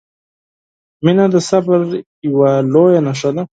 • مینه د صبر یوه لویه نښه ده.